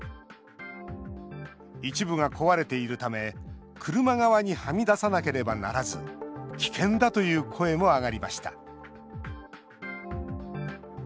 一部が壊れているため車側に、はみ出さなければならず危険だという声も上がりました。